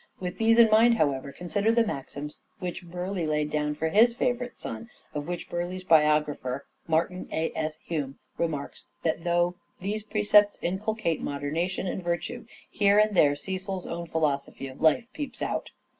With these in mind, however, consider the maxims which Burleigh laid down for his favourite son, of which Burleigh's biographer (Martin A. S. Hume) remarks that though " these precepts inculcate moderation and virtue, here and there Cecil's own philosophy of life peeps out."